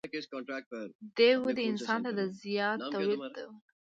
دې ودې انسان ته د زیات تولید توان ورکړ.